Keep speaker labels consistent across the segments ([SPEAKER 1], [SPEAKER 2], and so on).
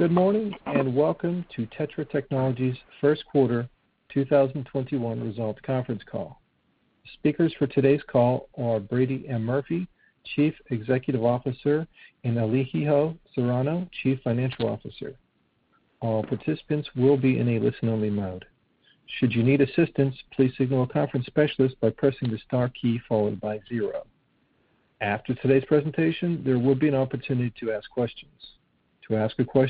[SPEAKER 1] Good morning, and welcome to TETRA Technologies' first quarter 2021 results conference call. Speakers for today's call are Brady M. Murphy, Chief Executive Officer, and Elijio Serrano, Chief Financial Officer. I will now turn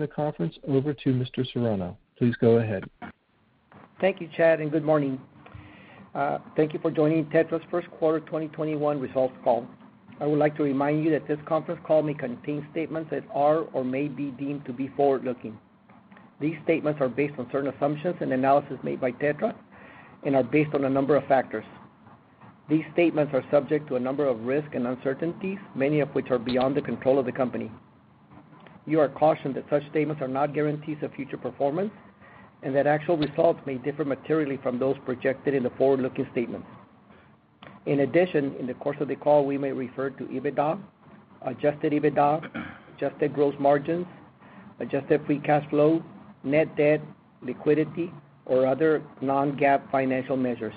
[SPEAKER 1] the conference over to Mr. Serrano. Please go ahead.
[SPEAKER 2] Thank you, Chad, and good morning. Thank you for joining TETRA's first quarter 2021 results call. I would like to remind you that this conference call may contain statements that are or may be deemed to be forward-looking. These statements are based on certain assumptions and analysis made by TETRA and are based on a number of factors. These statements are subject to a number of risks and uncertainties, many of which are beyond the control of the company. You are cautioned that such statements are not guarantees of future performance and that actual results may differ materially from those projected in the forward-looking statements. In addition, in the course of the call, we may refer to EBITDA, Adjusted EBITDA, adjusted gross margins, adjusted free cash flow, net debt, liquidity, or other non-GAAP financial measures.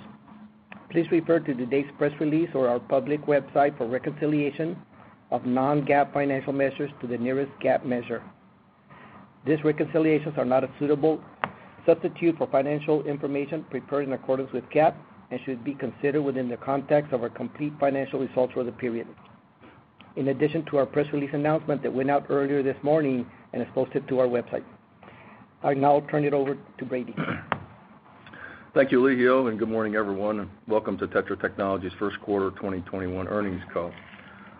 [SPEAKER 2] Please refer to today's press release or our public website for a reconciliation of non-GAAP financial measures to the nearest GAAP measure. These reconciliations are not a suitable substitute for financial information prepared in accordance with GAAP and should be considered within the context of our complete financial results for the period. In addition to our press release announcement that went out earlier this morning and is posted to our website. I'll now turn it over to Brady.
[SPEAKER 3] Thank you, Elijio, and good morning, everyone. Welcome to TETRA Technologies' first quarter 2021 earnings call.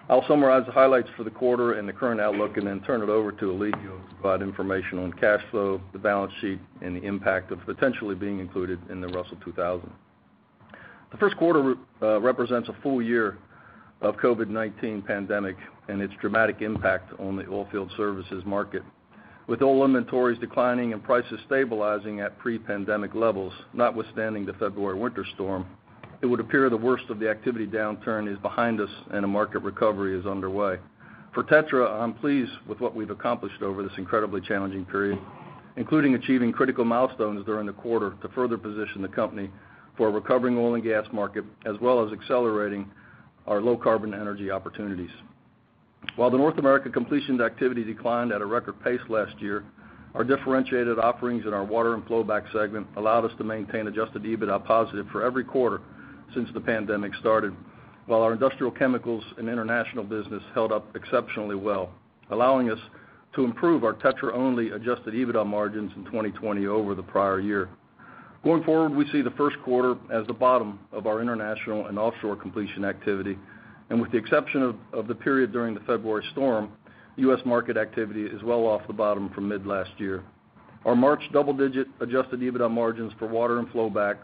[SPEAKER 3] I'll summarize the highlights for the quarter and the current outlook, and then turn it over to Elijio to provide information on cash flow, the balance sheet, and the impact of potentially being included in the Russell 2000. The first quarter represents a full year of COVID-19 pandemic and its dramatic impact on the oilfield services market. With oil inventories declining and prices stabilizing at pre-pandemic levels, notwithstanding the February winter storm, it would appear the worst of the activity downturn is behind us and a market recovery is underway. For TETRA, I'm pleased with what we've accomplished over this incredibly challenging period, including achieving critical milestones during the quarter to further position the company for a recovering oil and gas market, as well as accelerating our low-carbon energy opportunities. While the North American completion activity declined at a record pace last year, our differentiated offerings in our water and flowback segment allowed us to maintain Adjusted EBITDA positive for every quarter since the pandemic started, while our industrial chemicals and international business held up exceptionally well, allowing us to improve our TETRA-only Adjusted EBITDA margins in 2020 over the prior year. Going forward, we see the first quarter as the bottom of our international and offshore completion activity. With the exception of the period during the February storm, U.S. market activity is well off the bottom from mid last year. Our March double-digit Adjusted EBITDA margins for water and flowback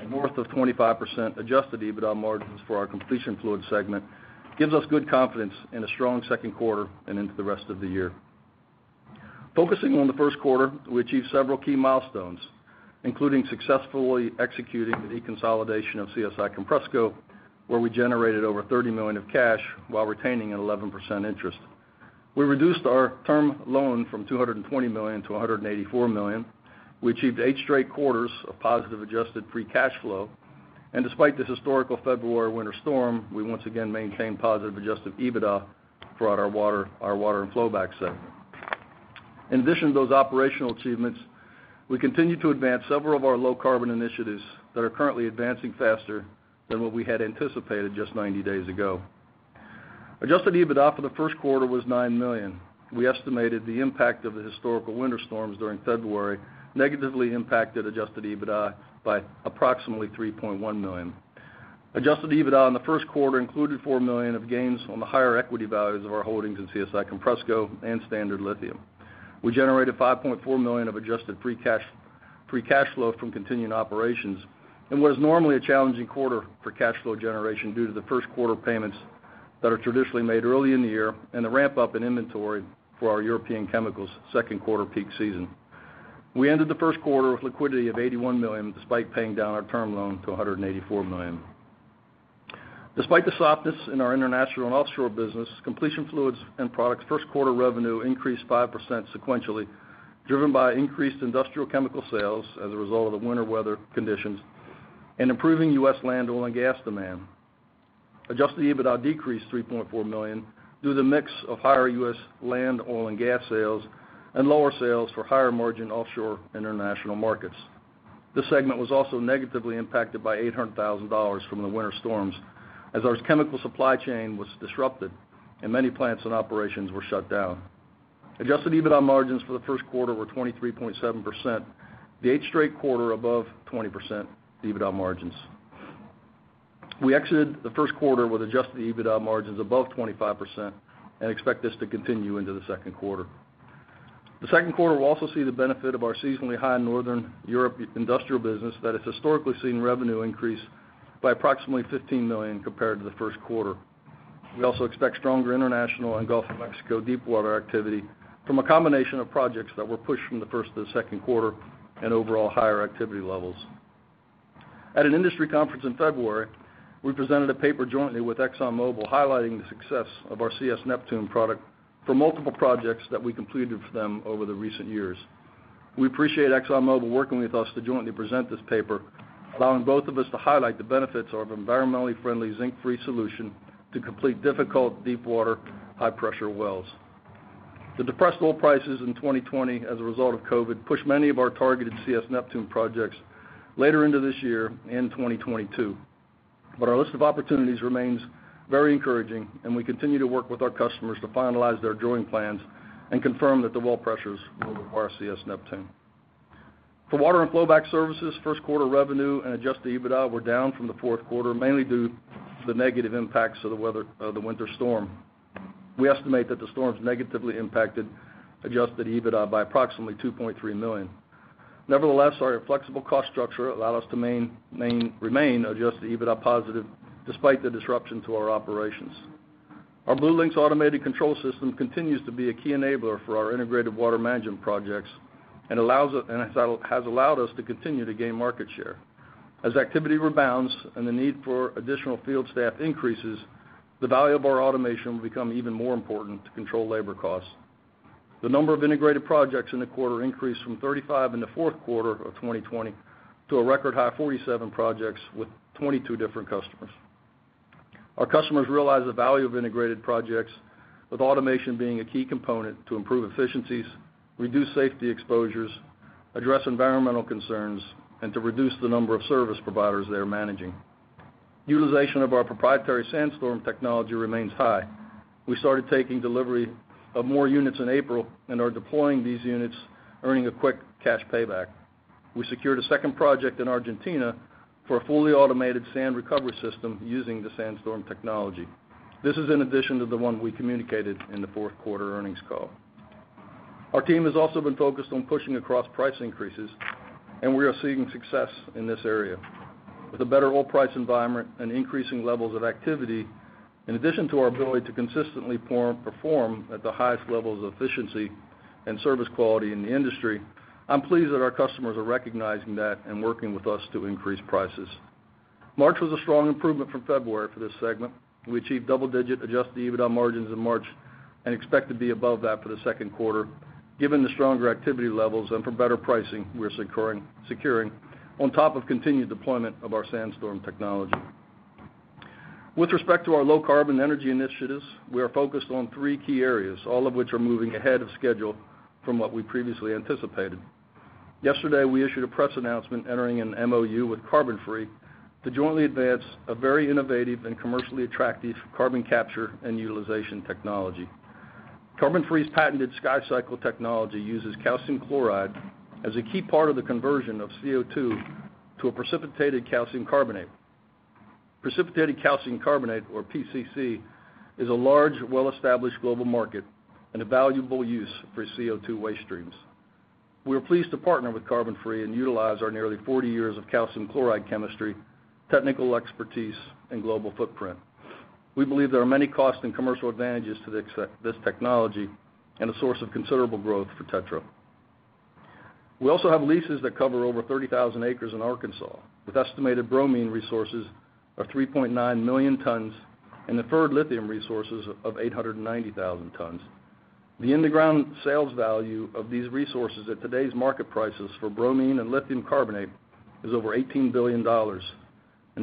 [SPEAKER 3] and north of 25% Adjusted EBITDA margins for our completion fluids segment gives us good confidence in a strong second quarter and into the rest of the year. Focusing on the first quarter, we achieved several key milestones, including successfully executing the deconsolidation of CSI Compressco, where we generated over $30 million of cash while retaining an 11% interest. We reduced our term loan from $220 million-$184 million. We achieved eight straight quarters of positive adjusted free cash flow. Despite this historical February winter storm, we once again maintained positive Adjusted EBITDA throughout our water and flowback segment. In addition to those operational achievements, we continued to advance several of our low-carbon initiatives that are currently advancing faster than what we had anticipated just 90 days ago. Adjusted EBITDA for the first quarter was $9 million. We estimated the impact of the historical winter storms during February negatively impacted Adjusted EBITDA by approximately $3.1 million. Adjusted EBITDA in the first quarter included $4 million of gains on the higher equity values of our holdings in CSI Compressco and Standard Lithium. We generated $5.4 million of adjusted free cash flow from continuing operations in what is normally a challenging quarter for cash flow generation due to the first quarter payments that are traditionally made early in the year and the ramp-up in inventory for our European chemicals' second quarter peak season. We ended the first quarter with liquidity of $81 million, despite paying down our term loan to $184 million. Despite the softness in our international and offshore business, completion fluids and products' first quarter revenue increased 5% sequentially, driven by increased industrial chemical sales as a result of the winter weather conditions and improving U.S. land oil and gas demand. Adjusted EBITDA decreased $3.4 million due to the mix of higher U.S. land oil and gas sales and lower sales for higher-margin offshore international markets. This segment was also negatively impacted by $800,000 from the winter storms as our chemical supply chain was disrupted and many plants and operations were shut down. Adjusted EBITDA margins for the first quarter were 23.7%, the eighth straight quarter above 20% EBITDA margins. We exited the first quarter with Adjusted EBITDA margins above 25% and expect this to continue into the second quarter. The second quarter will also see the benefit of our seasonally high Northern Europe industrial business that has historically seen revenue increase by approximately $15 million compared to the first quarter. We also expect stronger international and Gulf of Mexico deep water activity from a combination of projects that were pushed from the first to the second quarter and overall higher activity levels. At an industry conference in February, we presented a paper jointly with ExxonMobil, highlighting the success of our CS Neptune product for multiple projects that we completed for them over the recent years. We appreciate ExxonMobil working with us to jointly present this paper, allowing both of us to highlight the benefits of environmentally friendly zinc-free solution to complete difficult deepwater, high-pressure wells. The depressed oil prices in 2020 as a result of COVID pushed many of our targeted CS Neptune projects later into this year and 2022. Our list of opportunities remains very encouraging, and we continue to work with our customers to finalize their drilling plans and confirm that the well pressures will require CS Neptune. For water and flowback services, first quarter revenue and Adjusted EBITDA were down from the fourth quarter, mainly due to the negative impacts of the winter storm. We estimate that the storms negatively impacted Adjusted EBITDA by approximately $2.3 million. Nevertheless, our flexible cost structure allowed us to remain Adjusted EBITDA positive despite the disruption to our operations. Our BlueLinx automated control system continues to be a key enabler for our integrated water management projects and has allowed us to continue to gain market share. As activity rebounds and the need for additional field staff increases, the value of our automation will become even more important to control labor costs. The number of integrated projects in the quarter increased from 35 in the fourth quarter of 2020 to a record high 47 projects with 22 different customers. Our customers realize the value of integrated projects, with automation being a key component to improve efficiencies, reduce safety exposures, address environmental concerns, and to reduce the number of service providers they are managing. Utilization of our proprietary SandStorm technology remains high. We started taking delivery of more units in April and are deploying these units, earning a quick cash payback. We secured a second project in Argentina for a fully automated sand recovery system using the SandStorm technology. This is in addition to the one we communicated in the fourth quarter earnings call. Our team has also been focused on pushing across price increases, and we are seeing success in this area. With a better oil price environment and increasing levels of activity, in addition to our ability to consistently perform at the highest levels of efficiency and service quality in the industry, I'm pleased that our customers are recognizing that and working with us to increase prices. March was a strong improvement from February for this segment. We achieved double-digit Adjusted EBITDA margins in March and expect to be above that for the second quarter, given the stronger activity levels and for better pricing we're securing on top of continued deployment of our SandStorm technology. With respect to our low carbon energy initiatives, we are focused on three key areas, all of which are moving ahead of schedule from what we previously anticipated. Yesterday, we issued a press announcement entering an MOU with CarbonFree to jointly advance a very innovative and commercially attractive carbon capture and utilization technology. CarbonFree's patented SkyCycle technology uses calcium chloride as a key part of the conversion of CO2 to a precipitated calcium carbonate. Precipitated calcium carbonate, or PCC, is a large, well-established global market and a valuable use for CO2 waste streams. We are pleased to partner with CarbonFree and utilize our nearly 40 years of calcium chloride chemistry, technical expertise, and global footprint. We believe there are many cost and commercial advantages to this technology and a source of considerable growth for TETRA. We also have leases that cover over 30,000 acres in Arkansas, with estimated bromine resources of 3.9 million tons and inferred lithium resources of 890,000 tons. The in-the-ground sales value of these resources at today's market prices for bromine and lithium carbonate is over $18 billion.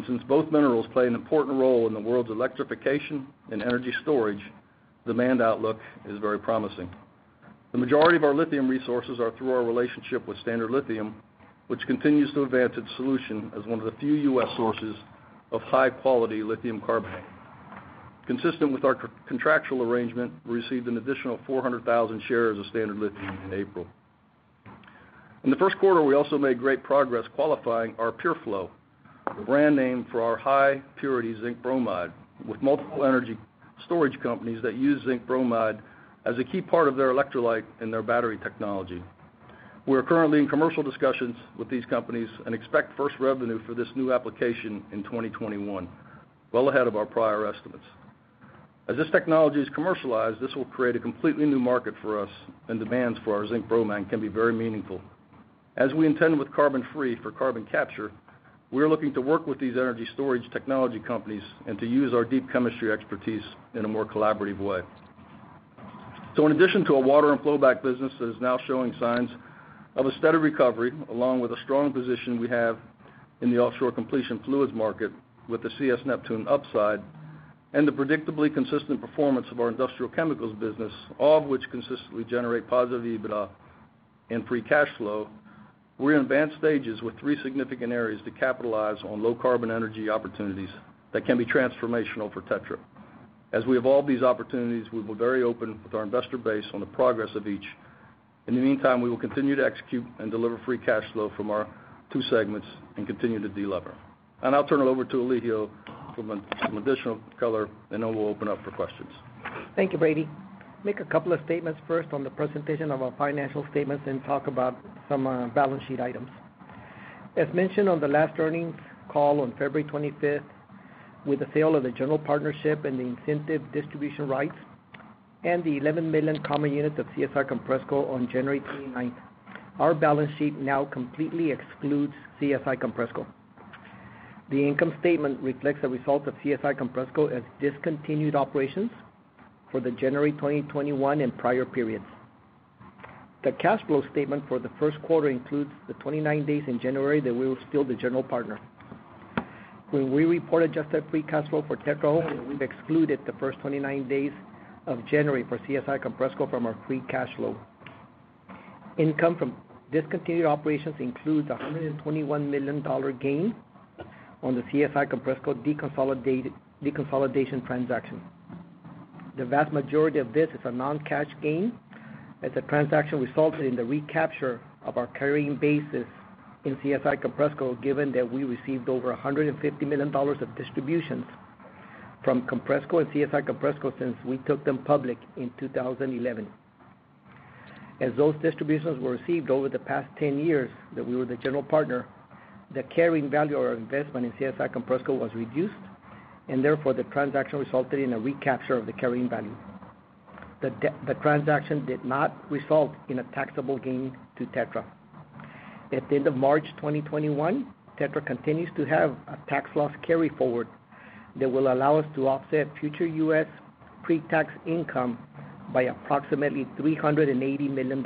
[SPEAKER 3] Since both minerals play an important role in the world's electrification and energy storage, demand outlook is very promising. The majority of our lithium resources are through our relationship with Standard Lithium, which continues to advance its solution as one of the few U.S. sources of high-quality lithium carbonate. Consistent with our contractual arrangement, we received an additional 400,000 shares of Standard Lithium in April. In the first quarter, we also made great progress qualifying our PureFlow, the brand name for our high-purity zinc bromide, with multiple energy storage companies that use zinc bromide as a key part of their electrolyte and their battery technology. We are currently in commercial discussions with these companies and expect first revenue for this new application in 2021, well ahead of our prior estimates. As this technology is commercialized, this will create a completely new market for us, and demands for our zinc bromide can be very meaningful. As we intend with CarbonFree for carbon capture, we are looking to work with these energy storage technology companies and to use our deep chemistry expertise in a more collaborative way. In addition to a water and flowback business that is now showing signs of a steady recovery, along with a strong position we have in the offshore completion fluids market with the CS Neptune upside and the predictably consistent performance of our industrial chemicals business, all of which consistently generate positive EBITDA and free cash flow, we're in advanced stages with three significant areas to capitalize on low carbon energy opportunities that can be transformational for TETRA. As we evolve these opportunities, we'll be very open with our investor base on the progress of each. In the meantime, we will continue to execute and deliver free cash flow from our two segments and continue to de-lever. I'll turn it over to Elijio for some additional color, and then we'll open up for questions.
[SPEAKER 2] Thank you, Brady. Make a couple of statements first on the presentation of our financial statements and talk about some balance sheet items. As mentioned on the last earnings call on February 25th, with the sale of the general partnership and the incentive distribution rights and the 11 million common units of CSI Compressco on January 29th, our balance sheet now completely excludes CSI Compressco. The income statement reflects the result of CSI Compressco as discontinued operations for the January 2021 and prior periods. The cash flow statement for the first quarter includes the 29 days in January that we were still the general partner. When we reported adjusted free cash flow for TETRA, we've excluded the first 29 days of January for CSI Compressco from our free cash flow. Income from discontinued operations includes a $121 million gain on the CSI Compressco deconsolidation transaction. The vast majority of this is a non-cash gain, as the transaction resulted in the recapture of our carrying basis in CSI Compressco, given that we received over $150 million of distributions from Compressco and CSI Compressco since we took them public in 2011. As those distributions were received over the past 10 years that we were the general partner, the carrying value of our investment in CSI Compressco was reduced, and therefore, the transaction resulted in a recapture of the carrying value. The transaction did not result in a taxable gain to TETRA. At the end of March 2021, TETRA continues to have a tax loss carry-forward that will allow us to offset future U.S. pre-tax income by approximately $380 million.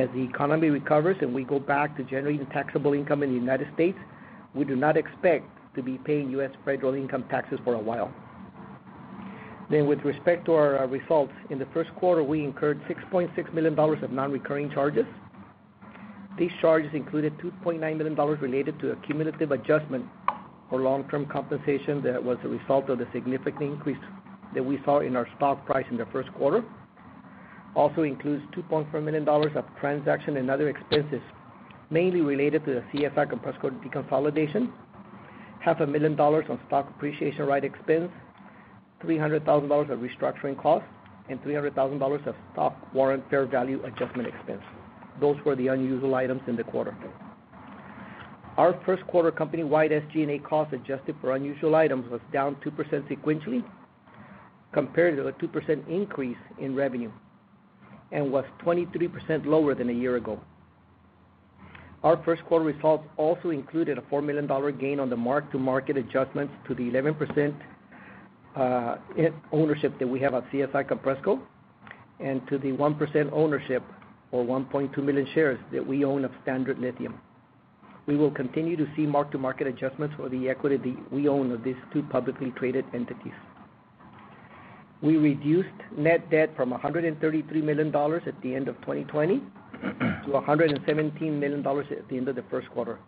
[SPEAKER 2] As the economy recovers and we go back to generating taxable income in the United States, we do not expect to be paying U.S. federal income taxes for a while. With respect to our results, in the first quarter, we incurred $6.6 million of non-recurring charges. These charges included $2.9 million related to a cumulative adjustment for long-term compensation that was a result of the significant increase that we saw in our stock price in the first quarter. Also includes $2.4 million of transaction and other expenses, mainly related to the CSI Compressco deconsolidation, $500,000 on stock appreciation right expense, $300,000 of restructuring costs, and $300,000 of stock warrant fair value adjustment expense. Those were the unusual items in the quarter. Our first quarter company-wide SG&A cost adjusted for unusual items was down 2% sequentially compared to the 2% increase in revenue and was 23% lower than a year ago. Our first quarter results also included a $4 million gain on the mark-to-market adjustments to the 11% ownership that we have at CSI Compressco and to the 1% ownership or 1.2 million shares that we own of Standard Lithium. We will continue to see mark-to-market adjustments for the equity we own of these two publicly traded entities. We reduced net debt from $133 million at the end of 2020 to $117 million at the end of the first quarter.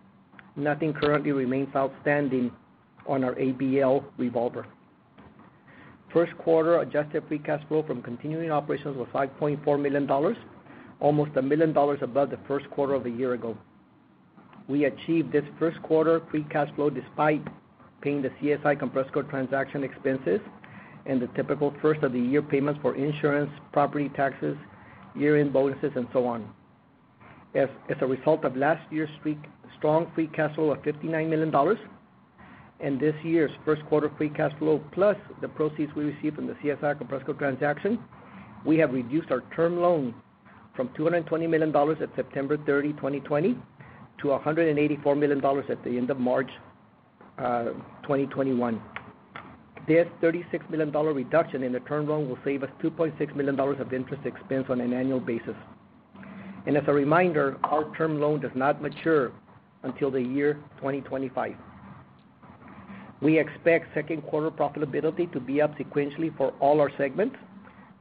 [SPEAKER 2] Nothing currently remains outstanding on our ABL revolver. First quarter adjusted free cash flow from continuing operations was $5.4 million, almost $1 million above the first quarter of a year ago. We achieved this first quarter free cash flow despite paying the CSI Compressco transaction expenses and the typical first-of-the-year payments for insurance, property taxes, year-end bonuses, and so on. As a result of last year's strong free cash flow of $59 million and this year's first quarter free cash flow plus the proceeds we received from the CSI Compressco transaction, we have reduced our term loan from $220 million at September 30, 2020, to $184 million at the end of March 2021. This $36 million reduction in the term loan will save us $2.6 million of interest expense on an annual basis. As a reminder, our term loan does not mature until the year 2025. We expect second quarter profitability to be up sequentially for all our segments,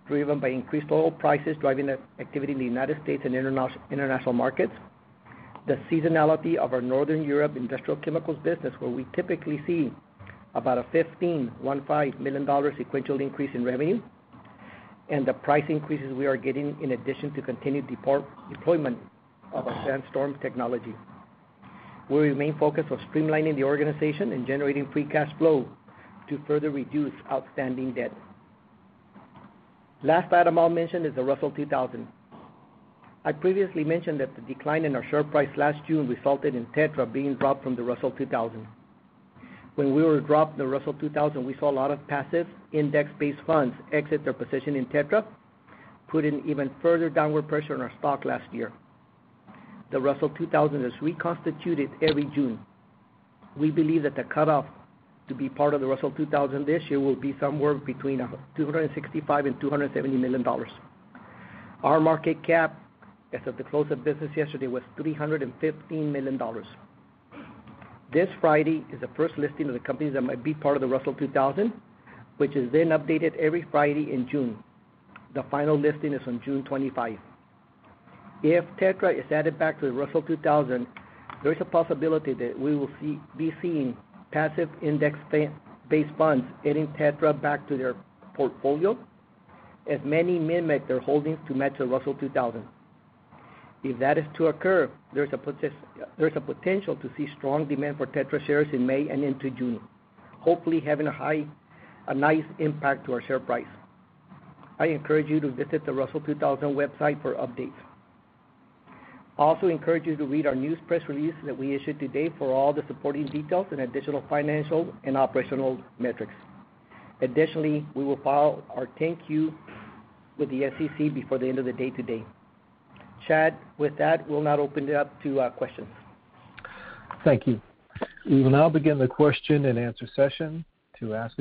[SPEAKER 2] driven by increased oil prices driving activity in the United States and international markets. The seasonality of our Northern Europe industrial chemicals business, where we typically see about a $15 million sequential increase in revenue, and the price increases we are getting in addition to continued deployment of our SandStorm technology. We remain focused on streamlining the organization and generating free cash flow to further reduce outstanding debt. Last item I'll mention is the Russell 2000. I previously mentioned that the decline in our share price last June resulted in TETRA being dropped from the Russell 2000. When we were dropped from the Russell 2000, we saw a lot of passive index-based funds exit their position in TETRA, putting even further downward pressure on our stock last year. The Russell 2000 is reconstituted every June. We believe that the cutoff to be part of the Russell 2000 this year will be somewhere between $265 million-$270 million. Our market cap as of the close of business yesterday was $315 million. This Friday is the first listing of the companies that might be part of the Russell 2000, which is then updated every Friday in June. The final listing is on June 25. If TETRA is added back to the Russell 2000, there is a possibility that we will be seeing passive index-based funds adding TETRA back to their portfolio, as many mimic their holdings to match the Russell 2000. If that is to occur, there's a potential to see strong demand for TETRA shares in May and into June, hopefully having a nice impact to our share price. I encourage you to visit the Russell 2000 website for updates. I also encourage you to read our news press release that we issued today for all the supporting details and additional financial and operational metrics. Additionally, we will file our 10-Q with the SEC before the end of the day today. Chad, with that, we'll now open it up to questions.
[SPEAKER 1] Thank you. We will now begin the question and answer session. At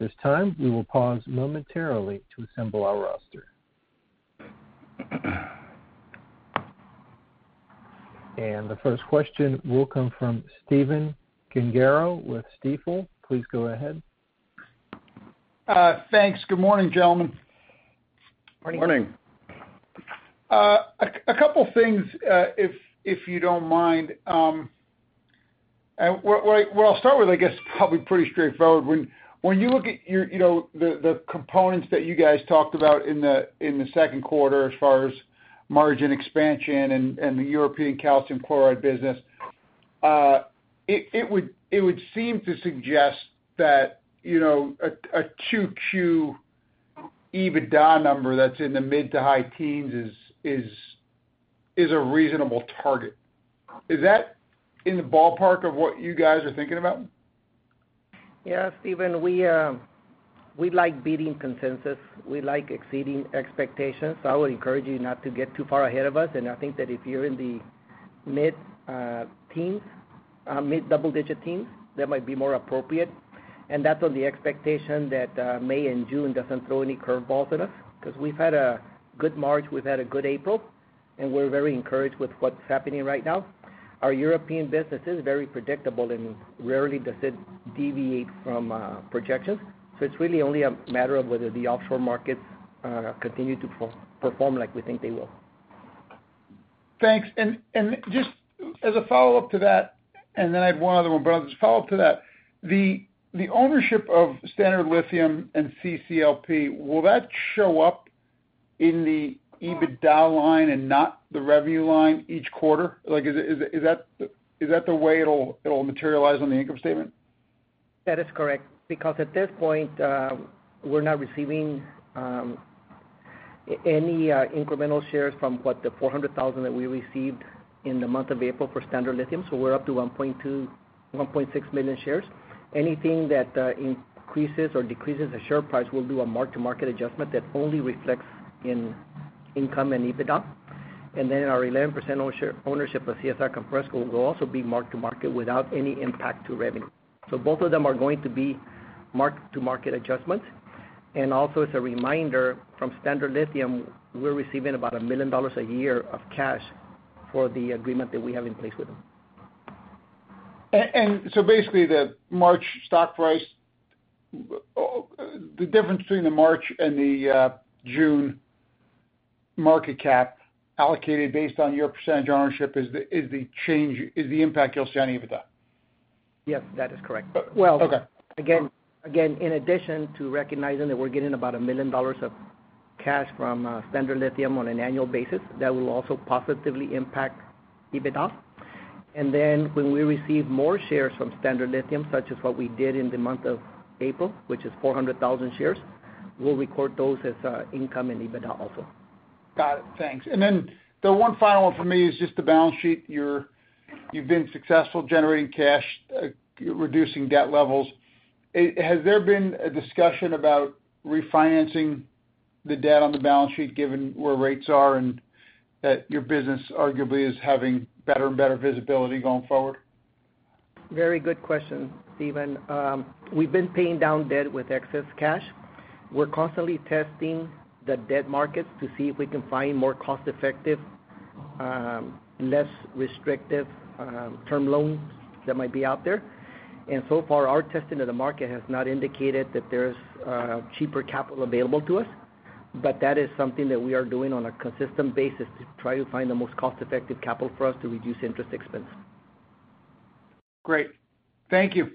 [SPEAKER 1] this time, we will pause momentarily to assemble our roster. The first question will come from Stephen Gengaro with Stifel. Please go ahead.
[SPEAKER 4] Thanks. Good morning, gentlemen.
[SPEAKER 2] Morning.
[SPEAKER 3] Morning.
[SPEAKER 4] A couple things, if you don't mind. What I'll start with, I guess, probably pretty straightforward. When you look at the components that you guys talked about in the second quarter as far as margin expansion and the European calcium chloride business, it would seem to suggest that a 2Q EBITDA number that's in the mid to high teens is a reasonable target. Is that in the ballpark of what you guys are thinking about?
[SPEAKER 2] Stephen, we like beating consensus. We like exceeding expectations. I would encourage you not to get too far ahead of us, and I think that if you're in the mid double-digit teens, that might be more appropriate. That's on the expectation that May and June doesn't throw any curve balls at us, because we've had a good March, we've had a good April, and we're very encouraged with what's happening right now. Our European business is very predictable, and rarely does it deviate from projections. It's really only a matter of whether the offshore markets continue to perform like we think they will.
[SPEAKER 4] Thanks. Just as a follow-up to that, and then I have one other one. As a follow-up to that, the ownership of Standard Lithium and CCLP, will that show up in the EBITDA line and not the revenue line each quarter? Is that the way it'll materialize on the income statement?
[SPEAKER 2] That is correct, because at this point, we're not receiving any incremental shares from the 400,000 that we received in the month of April for Standard Lithium. We're up to 1.6 million shares. Anything that increases or decreases the share price, we'll do a mark-to-market adjustment that only reflects in income and EBITDA. Our 11% ownership of CSI Compressco will also be mark-to-market without any impact to revenue. Both of them are going to be mark-to-market adjustments. As a reminder, from Standard Lithium, we're receiving about $1 million a year of cash for the agreement that we have in place with them.
[SPEAKER 4] Basically, the difference between the March and the June market cap allocated based on your percentage ownership is the impact you'll see on EBITDA?
[SPEAKER 2] Yes, that is correct.
[SPEAKER 4] Okay.
[SPEAKER 2] Again, in addition to recognizing that we're getting about $1 million of cash from Standard Lithium on an annual basis, that will also positively impact EBITDA. Then when we receive more shares from Standard Lithium, such as what we did in the month of April, which is 400,000 shares, we'll record those as income and EBITDA also.
[SPEAKER 4] Got it. Thanks. The one final one for me is just the balance sheet. You've been successful generating cash, reducing debt levels. Has there been a discussion about refinancing the debt on the balance sheet given where rates are and that your business arguably is having better and better visibility going forward?
[SPEAKER 2] Very good question, Stephen. We've been paying down debt with excess cash. We're constantly testing the debt markets to see if we can find more cost-effective, less restrictive term loans that might be out there. So far, our testing of the market has not indicated that there's cheaper capital available to us. That is something that we are doing on a consistent basis to try to find the most cost-effective capital for us to reduce interest expense.
[SPEAKER 4] Great. Thank you.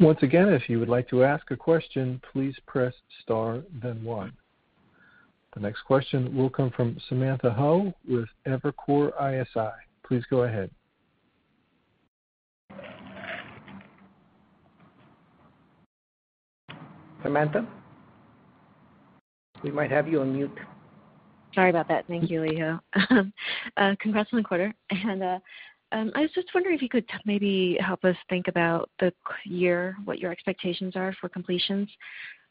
[SPEAKER 1] Once again, if you would like to ask a question, please press star then one. The next question will come from Samantha Hoh with Evercore ISI. Please go ahead.
[SPEAKER 2] Samantha? We might have you on mute.
[SPEAKER 5] Sorry about that. Thank you, Elijio. Congrats on the quarter. I was just wondering if you could maybe help us think about the year, what your expectations are for completions.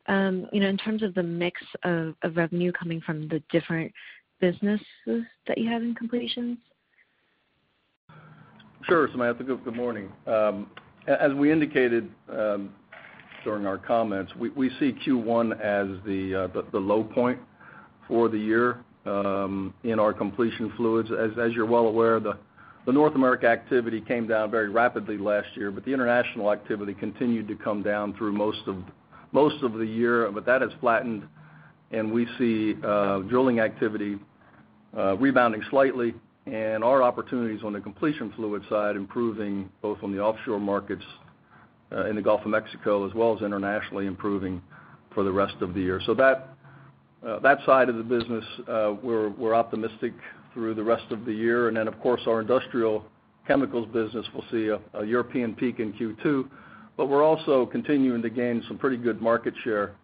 [SPEAKER 5] In terms of the mix of revenue coming from the different businesses that you have in completions.
[SPEAKER 3] Sure, Samantha. Good morning. As we indicated during our comments, we see Q1 as the low point for the year in our completion fluids. As you're well aware, the North America activity came down very rapidly last year, but the international activity continued to come down through most of the year. That has flattened, and we see drilling activity rebounding slightly, and our opportunities on the completion fluids side improving, both on the offshore markets in the Gulf of Mexico as well as internationally improving for the rest of the year. That side of the business, we're optimistic through the rest of the year. Of course, our industrial chemicals business will see a European peak in Q2. We're also continuing to gain some pretty good market share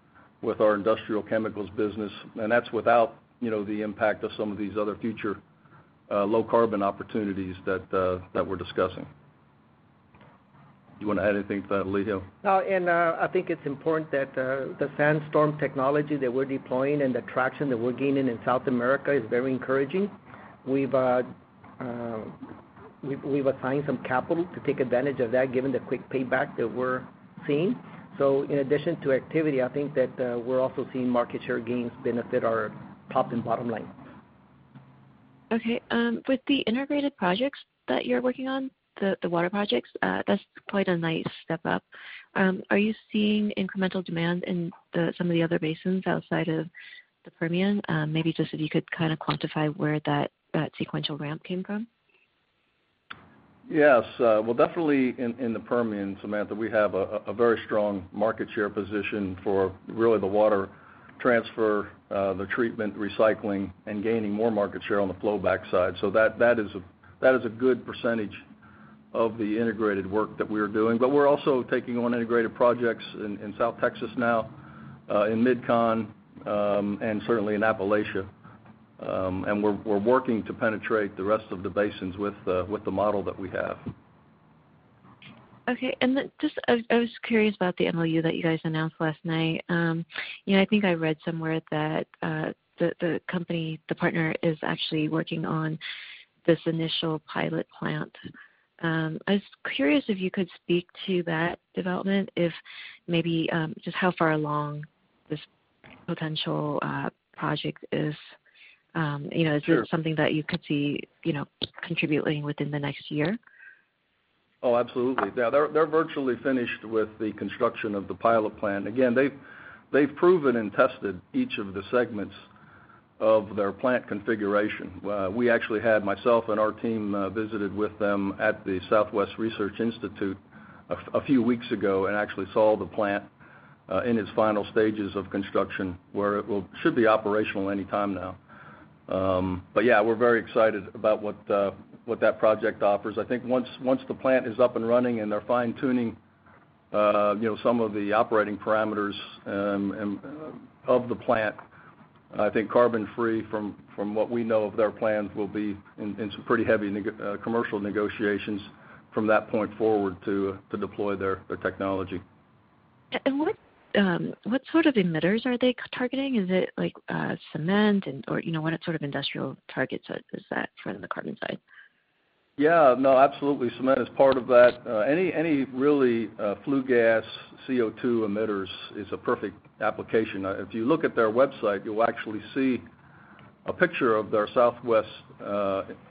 [SPEAKER 3] with our industrial chemicals business. That's without the impact of some of these other future low carbon opportunities that we're discussing. Do you want to add anything to that, Elijio?
[SPEAKER 2] No. I think it's important that the SandStorm technology that we're deploying and the traction that we're gaining in South America is very encouraging. We've assigned some capital to take advantage of that given the quick payback that we're seeing. In addition to activity, I think that we're also seeing market share gains benefit our top and bottom line.
[SPEAKER 5] Okay. With the integrated projects that you're working on, the water projects, that's quite a nice step up. Are you seeing incremental demand in some of the other basins outside of the Permian? Maybe just if you could kind of quantify where that sequential ramp came from.
[SPEAKER 3] Yes. Well, definitely in the Permian, Samantha, we have a very strong market share position for really the water transfer, the treatment, recycling, and gaining more market share on the flowback side. That is a good percentage of the integrated work that we are doing. We're also taking on integrated projects in South Texas now, in MidCon, and certainly in Appalachia. We're working to penetrate the rest of the basins with the model that we have.
[SPEAKER 5] Okay. Just, I was curious about the MOU that you guys announced last night. I think I read somewhere that the partner is actually working on this initial pilot plant. I was curious if you could speak to that development, if maybe just how far along this potential project is.
[SPEAKER 3] Sure.
[SPEAKER 5] Is this something that you could see contributing within the next year?
[SPEAKER 3] Oh, absolutely. Yeah, they're virtually finished with the construction of the pilot plant. They've proven and tested each of the segments of their plant configuration. We actually had myself and our team visited with them at the Southwest Research Institute a few weeks ago and actually saw the plant in its final stages of construction, where it should be operational anytime now. Yeah, we're very excited about what that project offers. I think once the plant is up and running and they're fine-tuning some of the operating parameters of the plant, I think CarbonFree, from what we know of their plans, will be in some pretty heavy commercial negotiations from that point forward to deploy their technology.
[SPEAKER 5] What sort of emitters are they targeting? Is it like cement or what sort of industrial targets is that for the carbon side?
[SPEAKER 3] No, absolutely. Cement is part of that. Any really flue gas CO2 emitters is a perfect application. If you look at their website, you'll actually see a picture of their Southwest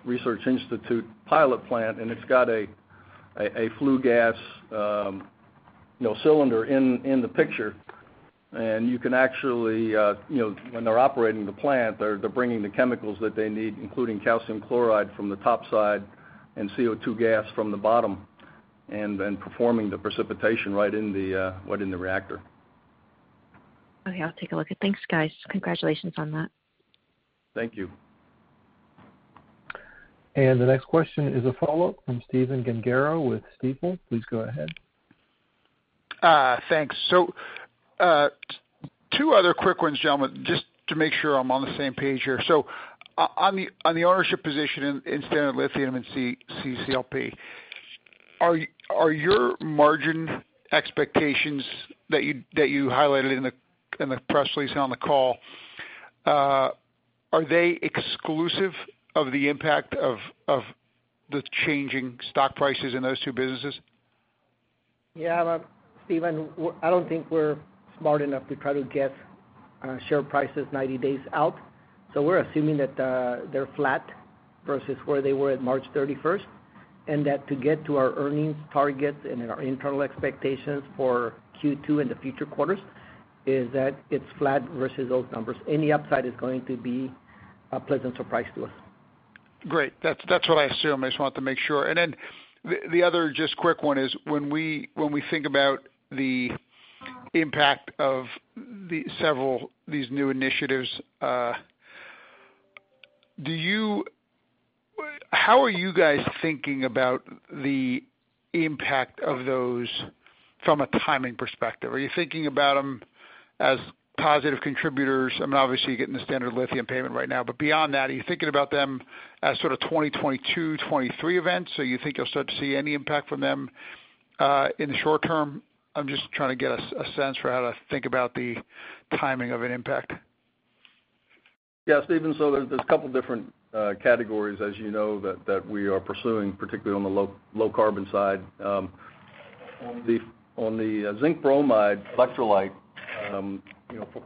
[SPEAKER 3] Research Institute pilot plant, and it's got a flue gas cylinder in the picture. You can actually, when they're operating the plant, they're bringing the chemicals that they need, including calcium chloride from the top side and CO2 gas from the bottom, and then performing the precipitation right in the reactor.
[SPEAKER 5] I'll take a look at it. Thanks, guys. Congratulations on that.
[SPEAKER 3] Thank you.
[SPEAKER 1] The next question is a follow-up from Stephen Gengaro with Stifel. Please go ahead.
[SPEAKER 4] Thanks. Two other quick ones, gentlemen, just to make sure I'm on the same page here. On the ownership position in Standard Lithium and CCLP, are your margin expectations that you highlighted in the press release and on the call are they exclusive of the impact of the changing stock prices in those two businesses?
[SPEAKER 2] Yeah. Stephen, I don't think we're smart enough to try to guess share prices 90 days out. We're assuming that they're flat versus where they were at March 31st, and that to get to our earnings targets and our internal expectations for Q2 and the future quarters is that it's flat versus those numbers. Any upside is going to be a pleasant surprise to us.
[SPEAKER 4] Great. That's what I assumed. I just wanted to make sure. The other just quick one is when we think about the impact of these new initiatives, how are you guys thinking about the impact of those from a timing perspective? Are you thinking about them as positive contributors? I mean, obviously, you're getting the Standard Lithium payment right now, but beyond that, are you thinking about them as sort of 2022, 2023 events, or you think you'll start to see any impact from them in the short term? I'm just trying to get a sense for how to think about the timing of an impact.
[SPEAKER 3] Stephen, there's a couple different categories, as you know, that we are pursuing, particularly on the low carbon side. On the zinc bromide electrolyte,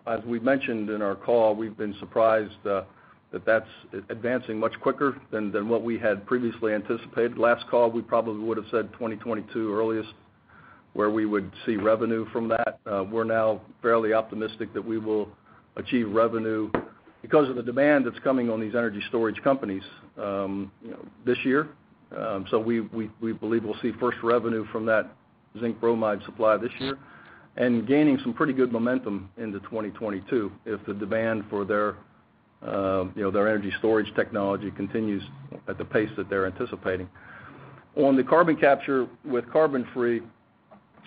[SPEAKER 3] as we mentioned in our call, we've been surprised that that's advancing much quicker than what we had previously anticipated. Last call, we probably would've said 2022 earliest where we would see revenue from that. We're now fairly optimistic that we will achieve revenue because of the demand that's coming on these energy storage companies this year. We believe we'll see first revenue from that zinc bromide supply this year and gaining some pretty good momentum into 2022 if the demand for their energy storage technology continues at the pace that they're anticipating. On the carbon capture with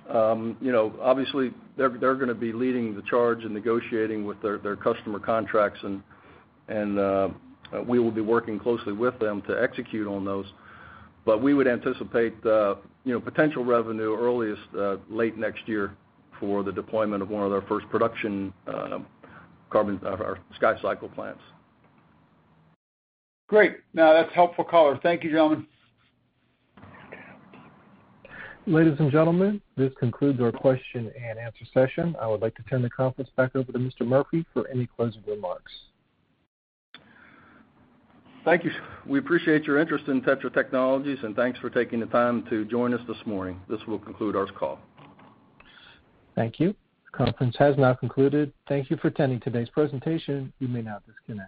[SPEAKER 3] CarbonFree, obviously they're going to be leading the charge in negotiating with their customer contracts and we will be working closely with them to execute on those. We would anticipate potential revenue earliest late next year for the deployment of one of their first production of our SkyCycle plants.
[SPEAKER 4] Great. No, that's a helpful call. Thank you, gentlemen.
[SPEAKER 1] Ladies and gentlemen, this concludes our question and answer session. I would like to turn the conference back over to Mr. Murphy for any closing remarks.
[SPEAKER 3] Thank you. We appreciate your interest in TETRA Technologies, and thanks for taking the time to join us this morning. This will conclude our call.
[SPEAKER 1] Thank you. The conference has now concluded. Thank you for attending today's presentation. You may now disconnect.